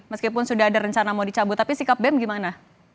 meskipun sudah ada rencana mau dicabut tapi sikap bem gimana